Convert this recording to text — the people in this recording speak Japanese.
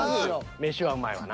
飯はうまいわな。